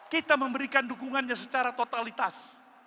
kita memberikan dukungannya secara totalitas